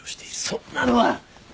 そんなのは！